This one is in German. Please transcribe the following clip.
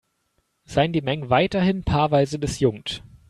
Seien die Mengen weiterhin paarweise disjunkt.